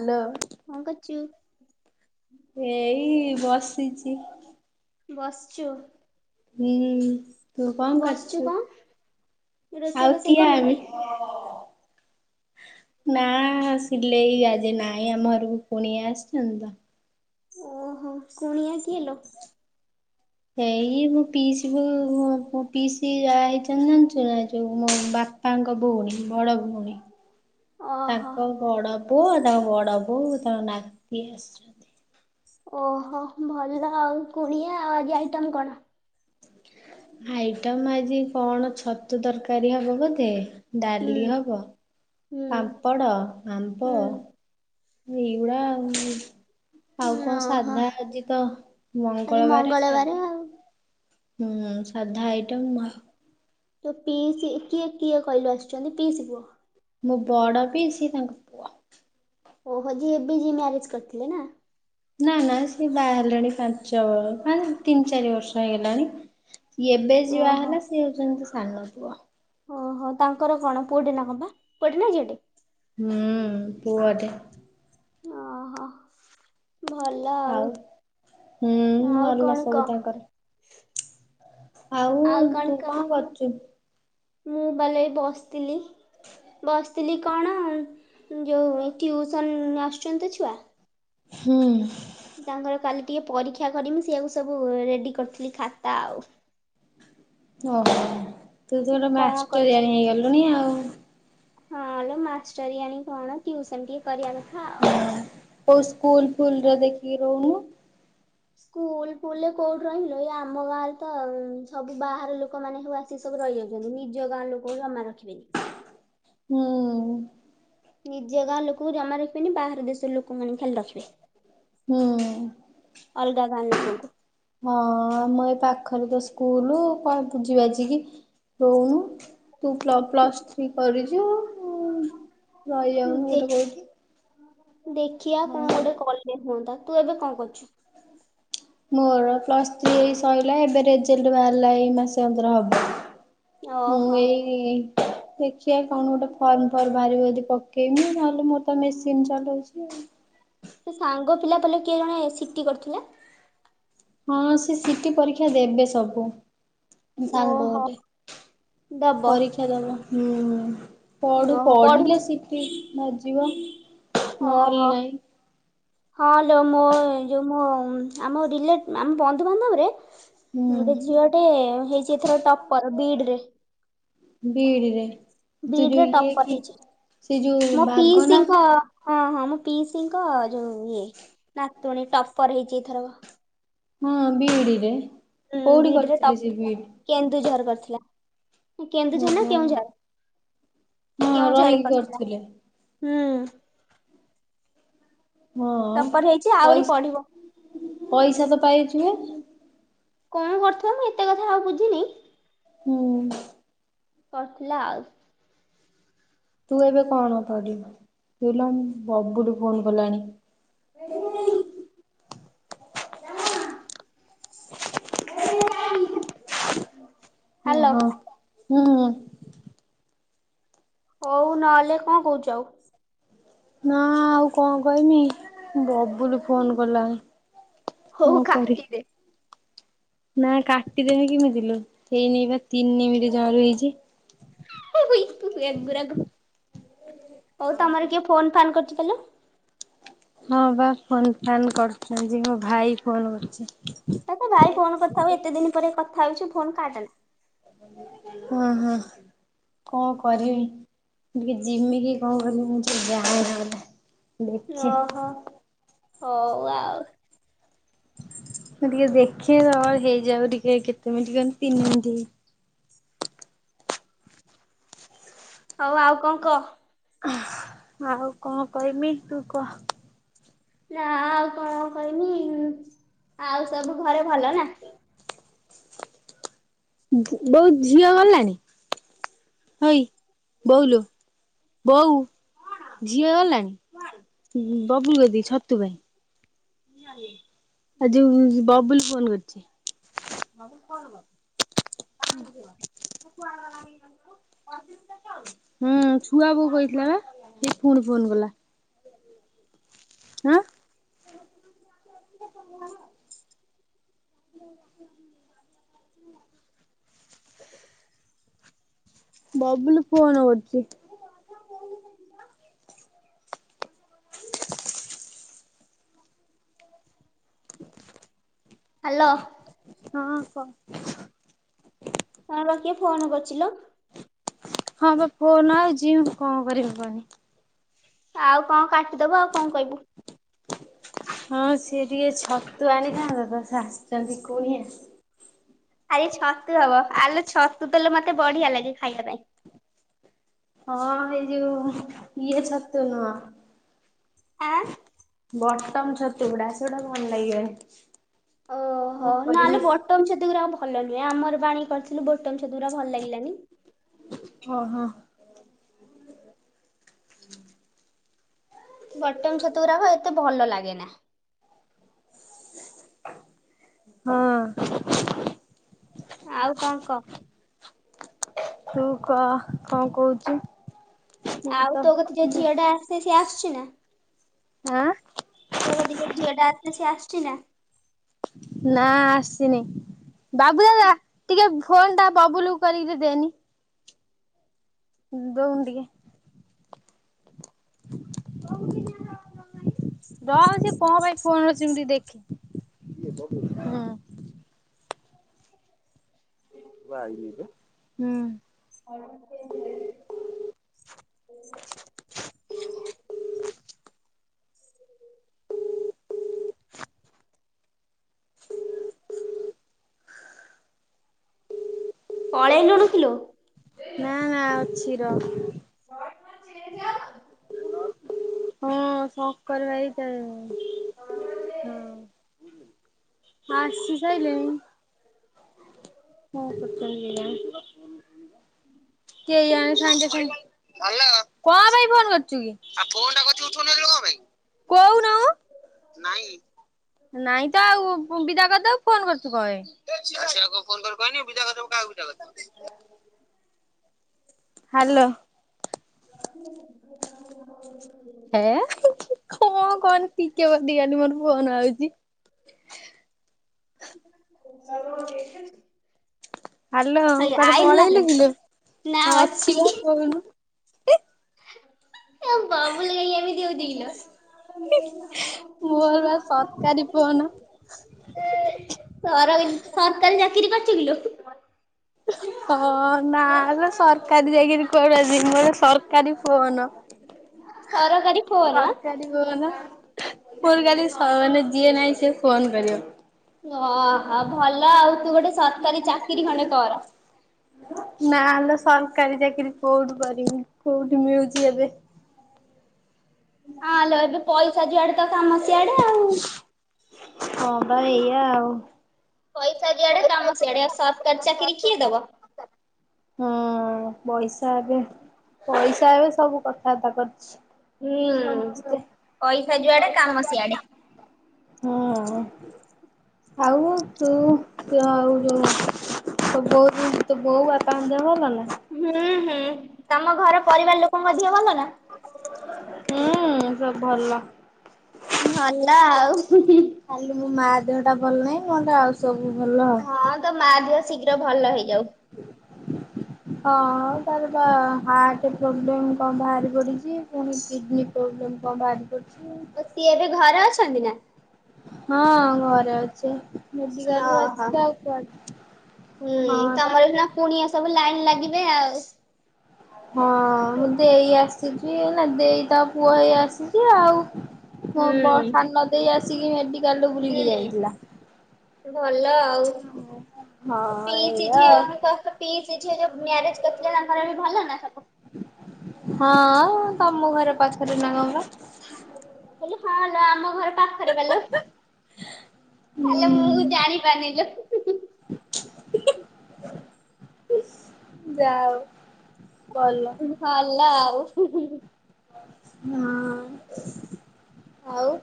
Hello. କଁ କରୁଚୁ? ଏଇ ବସିଚି। ବସଚୁ। ହୁଁ, ତୁ କଁ ବସିଛୁ କରୁଚୁ, କଣ ରୋଷେଇ ଆଉ ବୋଷେଇ କିଏ କରିନୁ କି? [unintelligible] [unintelligible] ନା ସିଲେଇ ଆଜି ନାଇ ଆମ ଘରକୁ କୁଣିଆ ଆସିଚନ୍ତି ତ। ଓହୋ କୁଣିଆ କିଏ ଲୋ? ଏଇ ମୋ ପିଇସିକୁ ମୋ ପିଇସି ବାହେଇଚନ୍ ଯାଞ୍ଚୁନା ଏ ଯୋଉ ମୋ ବା ପାଙ୍କ ଭଉଣୀ ବଡ ଭଉଣୀ। ଅ ହ। ତାଙ୍କ ବଡ ପୁଅ ତା ବଡ ବୋଉ ତାଙ୍କ ନାତି ଆସିଚ। ଓହୋ ଭଲ ଆଉ କୁଣିଆ ଆଉ ଆଜି ଆଇଟମ୍ କଣ? ଆଇଟମ ଆଜି କଣ ଛତୁ ତରକାରୀ ହବ ବୋଧେ। ହୁଁ ଡାଲି ହବ, ହୁଁ ପାମ୍ପଡ଼, ଆମ୍ବ ହୁଁ ଏଉଡ଼ା ଆଉ। ଆଉ କଁ ଓହୋ ସାଧା ଆଜିତ ଆଜି ମଙ୍ଗଳବାର ସାଧା। ଆଉ। ହୁଁ ସାଧା ଆଇଟମ। ତ ପିଇସି କିଏ କିଏ କହିଲୁ ଆସିଚନ୍ତି ପିଇସି ପୁଅ। ମୋ ବଡ ପିଇସି ତାଙ୍କ୍ ଓହୋ ଯିଏ ଏବେ ଯିଏ ମ୍ୟାରେଜ କରିଥିଲେ ନା? ନା ନା ସିଏ ବାହାହେଲେଣି ପାଞ୍ଚ ବରଷ ତିନି ଚାରି ବର୍ଷ ହେଇଗଲାଣି। ଏବେ ଯିଏ ବାହା ଓହୋ। ହେଲା ସିଏ ହଉଚନ୍ତି ସାନ ପୁଅ। ଓହୋ ତାଙ୍କର କଣ ପୁଅଟେ ନା କଣ ପା ପୁଅଟେ ନା ଝିଅଟେ? ହୁଁ ପୁଅଟେ। ଅହ। ଭଲ ଆଉ ହୁଁ ଆଉ ଭଲ କଣ ସବୁ କ। ତାଙ୍କର। ଆଉ ତୁ କଣ କରୁଚୁ? ମୁଁ ପାଲ ଏଇ ବସିଥିଲି। ବସିଥିଲି କଣ ଯୋଉ ଟିଉସନ୍ ଆସୁଚନ୍ତି ଛୁଆ ହୁଁ। ତାଙ୍କର କାଲି ଟିକେ ପରୀକ୍ଷା କରିମି ସେଇଆକୁ ସବୁ ରେଡି କରିଥିଲି ଖାତା ଆଉ। ଓହୋ ତୁ ତ କହିଲି ଗୋଟେ କଣ କରିଛି ମାଷ୍ଟରିଆଣି ହେଇଗଲୁଣି ଆଉ। ହଁ ଲୋ ମାଷ୍ଟରୀଆଣି କଣ ଟିଉସନ ଟିକେ କରିବା କଥା। ଆଉ କୋଉ ସ୍କୁଲ ଫୁଲରେ ଦେଖିକି ରହୁନୁ। ସ୍କୁଲ ଫୁଲରେ କୋଉଠି ରହିମିଲୋ ଆମ ଗାଁରେ ତ ସବୁ ବାହାର ଲୋକମାନେ ସବୁ ଆ ସିକି ସବୁ ରହିଯାଉଚନ୍ତି ନିଜ ଗାଁ ଲୋକ ଜମା ରଖିବେନି। ହୁଁ। ନିଜେ ଗାଁ ଲୋକକୁ ଜମା ରଖିବେନି ବାହାର ଦେଶର ଲୋକମାନେ ଖାଲି ରଖିବେ। ହୁଁ। ଅଲଗା ଗାଁ ଲୋକଙ୍କୁ। ହଁ ଆମ ଏଇ ପାଖରେ ତ ସ୍କୁଲ କଣ ବୁଝିବାଝିକି ରଉନୁ ତୁ ପ୍ଲ ପ୍ଲସ୍ ଥ୍ରୀ କରିଚୁ। ରହି ଯାଉନୁ ଗୋଟେ କୋଉଠି। ଦେଖିଆ କଣ ଗୋଟେ କଲେ ହୁଅନ୍ତା ତୁ ଏବେ କଣ କରୁଛୁ? ହ [unintelligible] ମୋର ପ୍ଲସ ଥ୍ରୀ ସଇଲା ଏବେ ରେଜଲ୍ଟ ବାହାରିଲା ଏଇ ମାସ [unintelligible] ହବ। ମୁଁ ଓହୋ ଏଇ ଦେଖିବା କଣ ଗୋଟେ ଫର୍ମ ଫର୍ ବାହାରିବ ଯଦି ପକେଇମି ନ ହେଲେ ମୋର ତ ମେସିନ୍ ଚଲଉଛି। ତୋ ସାଙ୍ଗ ପିଲା ପଲେ କିଏ ଜଣେ ସିଟି କରିୁଥିଲା? ହଁ ସେ ସିଟି ପରୀକ୍ଷା ଦେବେ ସବୁ। ସାଙ୍ଗ ଓହୋ ଗୋଟେ ଦବ ପରୀକ୍ଷା ଦବ ହୁଁ। ପଢୁ ଓହୋ ପଢିଲେ ପଢୁଛି ଶିଟି ବାଜିବ ନହେଲେ ନାଇଁ। ହଁଲୋ ମୋ ଯଉ ମୋ ଆମ ଆମ ବନ୍ଧୁବାନ୍ଧବରେ ହୁଁ ଗୋଟେ ଝିଅଟେ ହେଇଛି ଏଥର ଟପର ବିଡ୍ ରେ। ବିଇଡିରେ ତୁ ବିଡ୍ ଯୋଉ ରେ ଇଏ ଟପର କି ହେଇଛି ସେ ଯୋଉ ମୋ ବାଘ ପିସି ନା ଙ୍କ ହଁ ହଁ ମୋ ପିଇସିଙ୍କ ଯୋଉ ଇଏ ନାତୁଣୀ ଟପର ହେଇଛି ଏଇଥର। ହୁଁ ବିିଇ ଡ଼ି ରେ। ହଁ ବିଡ୍ ରେ ଟପ୍ କେନ୍ଦୁଝର କରିଥିଲା। କେନ୍ଦୁଝର ନା ଓହୋ କେଉଁଝର? ହଁ ରହିକି କେଉଁଝର କରିଥିଲା। କରିଥିଲେ ହୁଁ। ହଁ ଟପର ହେଇଛି ଆହୁରି ପଇସ୍ ପଢିବ ପଇସା ତ ପାଇଥିବେ? କଣ କରୁଥିବ ମୁଁ ଏତେ କଥା ଆଉ ବୁଝିନି। ହୁଁ। କରୁଥିଲା ଆଉ। ତୁ ଏବେ କଣ କରିବୁ ତୁ ହେଲା ବବୁଲୁ ଫୋନ କଲାଣି। ହ [unintelligible] ଜାଣିଲ ନା ହେଇନେଇ ଟାଇମ। ଓଁ ହୋ ହୁଁ। ହଉ ନହେଲେ କଣ କହୁଛ ଆଉ? ନା ଆଉ କଣ କହିମି ବବୁଲ ଫୋନ କଲାଣି। ହଉ କାଟିଦେ। ନାଇ କାଟିଦେବି କେମିତି ଲୋ ହେଇ ନେଇ ବା ତିନି ମିନିଟ ଜମାରୁ ହେଇଛି। ତୁ ଏଗୁରାକ ହଉ ତମର କିଏ ଫୋନ ଫାନ୍ କରୁଛି କହିଲ? ହଁ ବା ଫୋନ୍ ଫାନ୍ କରୁଛନ୍ତି ମୋ ଭାଇ ଫୋନ କରୁଛି। ତା ଭାଇ ଫୋନ କରିଥାଉ ଏତେ ଦିନ ପରେ କଥା ହଉଛି ଫୋନ କାଟେନା। ହଁ ହଁ କଣ କରିବି ଟିକେ ଯିମି କି କଣ। [unintelligible] ଦେଖେ ଓହୋ ହଉ ଆଉ। ମୁଁ ଟିକେ ଦେଖେ ତ ହେଇଯାଉ ଟିକେ କେତେ ମିନିଟ କ ତିନି ମିନିଟ ହେଇଛି। ହଉ ଆଉ କଣ କ। ଆଉ କଣ କହିମି ତୁ କହ। ନା ଆଉ କଣ କହିମି, ଆଉ ସବୁ ଘରେ ଭଲ ନା? ବୋଉ ଝିଅ ଗଲାଣି? ହଇ ବୋଉଲୁ ବୋଉ ଝିଅ ଗଲାଣି? ବବୁଲ ଗଦି ଛତୁ ଭାଇ। ଆଜି ବବୁଲ ଫୋନ କରିଛି। ଣାଗ [unintelligible] ହୁଁ ଛୁଆ ବୋଉ କହିଥିଲା ବା ସେ ପୁଣି ଫୋନ କଲା। ଆଁ? ହଁ ହଁ [unintelligible] ବବୁଲୁ ଫୋନ କରୁଛି। ହ୍ୟାଲୋ। ହଁ କହ। ଲ କିଏ ଫୋନ କରିଛି ଲୋ। ହଁ ବା ଫୋନ ଆଇଚି କଣ କରିବି କନି ଆଉ କଣ କାଟିଦବୁ ଆଉ କଣ କ‌ଇବୁ। ହଁ ସିଏ ଟିକେ ଛତୁ ଆଣିଥାନ୍ତା ତ ସାସ୍ ଛନ୍ତି କୁଣିଆ। ଆଇ ଛତୁ ହବ ଆଲୋ ଛତୁ ତଲେ ମତେ ବଢିଆ ଲାଗେ ଖାଇବା ପାଇଁ। ହଁ ଏଇ ଯୋଉ ଇଏ ଛତୁ ନୁହଁ। ଆଁ। ବଟମ ଛତୁ ଗୁଡା ସେଗୁଡ଼ା ଭଲ ଲାଗିବ। ଓହୋ ନାଲୋ ବଟମ ଗୁରା ଭଲ ନୁହେଁ ଆମର ବାଣୀ କରିଥିଲୁ ବ ଟମ୍ ଛତୁ ରା ଭଲ ଲାଗିଲାନି। ହଁ ହଁ। ବଟମ ଛତୁ ଗୁରାକ ଏତେ ଭଲ ଲାଗେ ନା। ହଁ। ଆଉ କଣ କ। ତୁ କ କଂ କୋହୁଚି? ଆଉ ତୋ କତି ଯୋଉ ଝିଅଟା ଆସେ ସିଏ ଆସୁଚି ନା? ଆଁ? ତୋ କତି ଯୋଉ ଝିଅଟା ଆସେ ସେ ଆସଚି ନା? ନାଁ ଆସିନେଇ। ବାବୁ ଦାଦା ଟିକେ ଫୋନ୍ ଟା ବବୁଲୁକୁ କରିକି ଦେନି। ଦଉନ୍ ଟିକେ। ସବୁଦିନିଆ ତ ର‌ଅ ମ ସିଏ କଁ ପାଇଁ ଫୋନ୍ କଛି ମୁଁ ଟିଏ ଦେଖ୍ ହୁଁ। ହୁଁ। ସମସ୍ତେ ଏନ୍ଧ୍ଲେ ପଳେଇଲୁଣୁ କିଲୋ? ନାଁ ନାଁ ଅଛି ର। ହଁ ସଙ୍କର ଭାଇ ତେ ହଁ। ଆସି ସାଇଲେଇଁ। କଁ କରଚନ୍ତି କେଜାଣି? କେଇଆଣି ସାଙ୍ଗେ ସା କଁ ପାଇଁ ଫୋନ୍ କରୁଚୁ କି? କୋଉନ‌ଉ। ନାଇଁ ତ ଆଉ ବିଦା କରିଦବୁ ଫୋନ୍ କରୁଛୁ କ ମାଇଁ? ସେଆକ ଫୋନ୍ କରି କହିନି ବିଦାକରଦବୁ କାକୁ ବିଦା କ ହାଲୋ। [unintelligible] ହେ [unintelligible] କଣ କନି ଟିକେ ଅଧିଆଟି ମୋର ଫୋନ୍ ଆଉଚି। ସେ ଅଣ ଏଇଠି ଅଛି? ହାଲୋ ଆଇ କୁଆଡେ ଆଇଲ୍ ପଳେଇଲୁ ନାଲୋ? କିଲୋ? ନାଁ ଅଛି। କହୁନୁ। ଏ ବବୁଲୁ ଏମିତି ହୋଉଚି କିଲୋ? ମୋର ବା ସରକାରୀ ଫୋନ। [unintelligible] ସରଇ ସରକାରୀ ଚାକିରି କରିଚୁ କିଲୋ? ହଁ ନାଁ ଲୋ ସରକାରୀ ଚାକିରି କୁଆଡ଼ୁ ଆଜି ମୋର ସରକାରୀ ଫୋନ। ସରକାରୀ ଫୋନ ସରକାରୀ ଫୋନ ମୋର କାଲି ସ ନା ଯିଏ ନାହିଁ ସିଏ ଫୋନ୍ କରିଅ। ଓହୋ ହ ଭଲ ଆଉ ତୁ ଗୋଟେ ସରକାରୀ ଚାକିରି ଖଣ୍ଡେ କର। ନାଁ ଲୋ ସରକାରୀ ଚାକିରି କୋଉଠୁ କରିବି କୋଉଠି ମିଳୁଚି ଏବେ? ହଁ ଲୋ ଏବେ ପଇସା ଯୁଆଡ଼େ ତ କାମ ସିଆଡ଼େ ଆଉ। ହଁ ପା ଏଇଆ ଆଉ। ପଇସା ଯୁଆଡ଼େ କାମ ସିଆଡ଼େ ଆଉ ସରକାରୀ ଚାକିରି କିଏ ଦବ? ହୁଁ ପଇସା ଏବେ ପଇସା ଏବେ ସବୁ କଥାବାର୍ତ୍ତା କରଚି। ହୁଁ। ସମସ୍ତେ ପଇସା ଯୁଆଡ଼େ କାମ ସିିଆଡେ। ହୁଁ ଆଉ ତୁ ତୁ ଆଉ ଯୋଉ ତୋ ବୋଉ ଦେହ ତୋ ବୋଉ ବାପାଙ୍କ ଦେହ ଭଲ ନା? ହୁଁ ହୁଁ। ତମ ଘର ପରିବାର ଲୋକଙ୍କ ଦେହ ଭଲ ନା? ହୁଁ ସବୁ ଭଲ। ଭଲ ଆଉ। ଉଁ ହୁଁ। ଖାଲି ମୋ ମା ଦେହ ଟା ଭଲ ନାହିଁ। ନହଲେ ଆଉ ସବୁ ଭଲ। ହଁ ତୋ ମା ଦେହ ଶୀଘ୍ର ଭଲ ହେଇଯାଉ। ହଁ ତାର ବା ହାର୍ଟ ପ୍ରୋବ୍ଲେମ୍ କଣ ବାହାରି ପଡିଛି। ପୁଣି କିଡ୍ନୀ ପ୍ରୋବ୍ଲେମ୍ କଣ ବାହାରି ପଡିଛି। ଓ ସିଏ ଏବେ ଘରେ ଅଛନ୍ତି ନା? ହଁ ଘରେ ଅଛି। ମେଡିକାଲରୁ ଓହୋ ଆସିକି ଆଉ ହୁଁ କୁଆଡେ-ହଁ ବା ତମର ସିନା କୁଣିଆ ସବୁ ଲାଇନ୍ ଲାଗିବେ ଆଉ। ହଁ ମୋ ହୁଁ ଦେଇ ଆସିଛି, ନା ଦେଇ ତା ପୁଅ ଏଇ ଆସିଛି ଆଉ ମୋ ବ ହୁଁ ସାନ ଦେଇ ଆସିକି ମେଡିକାଲରୁ ବୁଲିକି ଯାଇଥିଲା। ଭଲ ଆଉ। ତୋ ହଁ ପିଇସି ଏଇଆ ଝିଅ ଆଉ। ଙ୍କ, ପିଇସି ଝିଅ ଯୋଉ ମ୍ୟାରେଜ୍ କରିଥିଲା ତାଙ୍କର ଏବେ ଭଲ ନା ସବୁ? ହଁ ତମ ଘରେ ପାଖରେ ନା କଣ ପା? ଆଲୋ ହଁ ଲୋ ଆମ ଘର ପାଖରେ ପାଲୋ। ଆଲୋ ହୁଁ ମୁଁ ଜାଣି ପାରିନିଲୋ। ଯା ହୋଉ ଭଲ। ଭଲା ଆଉ। ହୁଁ ହୁଁ। ହଁ ଆଉ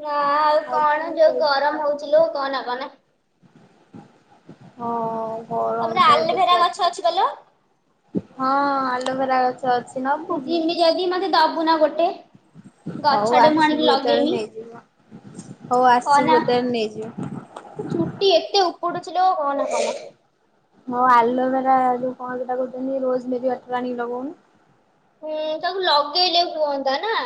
ନା ଆଉ କଣ, ଯୋଉ ଗରମ ହୋଉଚି ଲୋ କହନା କହନା। ହଁ ତମର ଗରମ ତ ଏବେ ଆଲୋଭେରା ଗଛ ପ୍ରବଳ, ଅଛି ବା ଲୋ? ହଁ ଆଲୋଭେରା ଗଛ ସେ ଅଛି ନା ମୁ ଜିମି ଯଦି ମତେ ଦବୁ ନା ଗୋଟେ? ହୋଉ ଗଛଟେ ମୁଁ ଆଣିକି ଆସିବୁ ଯେତେବେଳେ ଲଗେଇନି ନେଇଯିବୁ ଆଉ। ହୋଉ କହନା ଆସିବୁ କେତେବେଳେ ନେଇଯିବୁ। ଚୁଟି ଏତେ ଉପୁଡୁଚି ଲୋ କହନା କହନା। ହଁ ଆଲୋଭେରା, ଯୋଉ କଣ ସେଟା କହୁଛନ୍ତି ରୋଜ୍ ମେରି ୱାଟର ଆଣି ଲଗଉନୁ। ହୁଁ ତାକୁ ଲଗେଇଲେ ହୁଅନ୍ତା ନା?